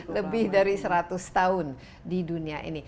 lebih dari seratus tahun di dunia ini